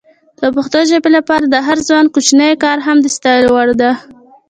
د پښتو ژبې لپاره د هر ځوان کوچنی کار هم د ستایلو وړ ده.